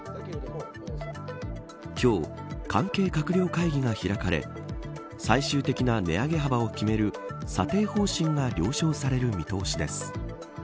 今日、関係閣僚会議が開かれ最終的な値上げ幅を決める査定方針が了承される見通しです。